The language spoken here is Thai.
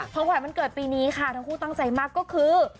หวานวันเกิดปีนี้ค่ะทั้งคู่ตั้งใจมากก็คือ